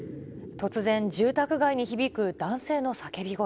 突然、住宅街に響く男性の叫び声。